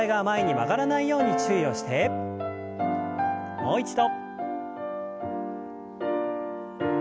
もう一度。